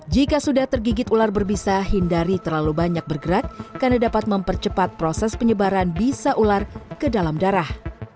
jika sudah tergigit ular berbisa hindari terlalu banyak bergerak karena dapat mempercepat proses penyebaran bisa ular ke dalam darah